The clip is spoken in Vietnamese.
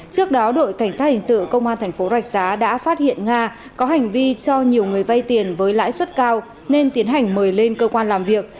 trước đó đội cảnh sát hình sự công an thành phố rạch giá đã phát hiện nga có hành vi cho nhiều người vay tiền với lãi suất cao nên tiến hành mời lên cơ quan làm việc